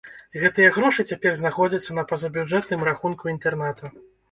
Гэтыя грошы цяпер знаходзяцца на пазабюджэтным рахунку інтэрната.